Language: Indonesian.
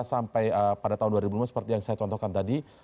sampai pada tahun dua ribu lima seperti yang saya contohkan tadi